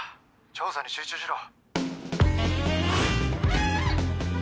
調査に集中しろ。